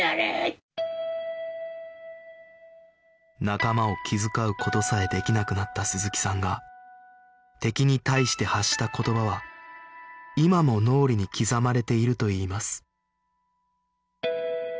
仲間を気遣う事さえできなくなった鈴木さんが敵に対して発した言葉は今も脳裏に刻まれているといいます